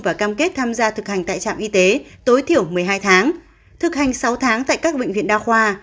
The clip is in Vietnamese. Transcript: và cam kết tham gia thực hành tại trạm y tế tối thiểu một mươi hai tháng thực hành sáu tháng tại các bệnh viện đa khoa